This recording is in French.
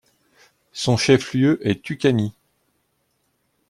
Son chef-lieu est Tucaní.